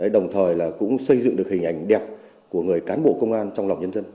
đồng thời là cũng xây dựng được hình ảnh đẹp của người cán bộ công an trong lòng nhân dân